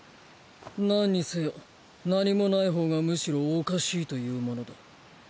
なんにせよ何もないほうがむしろおかしいというものだ。